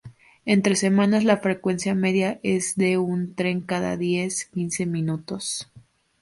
Entre semanas la frecuencia media es de un tren cada diez-quince minutos..